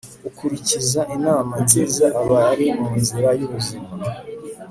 ukurikiza inama nziza aba ari mu nzira y'ubuzima